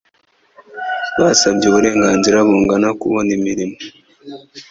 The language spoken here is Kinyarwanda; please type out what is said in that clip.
basabye uburenganzira bungana ku kubona imirimo